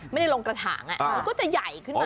ไม่ได้ลงกระถางมันก็จะใหญ่ขึ้นมา